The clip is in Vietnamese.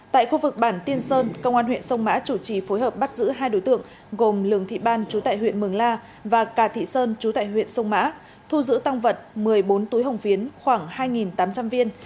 tại khu vực bản tiên sơn công an huyện sông mã chủ trì phối hợp bắt giữ hai đối tượng gồm lường thị ban chú tại huyện mường la và cà thị sơn chú tại huyện sông mã thu giữ tăng vật một mươi bốn túi hồng phiến khoảng hai tám trăm linh viên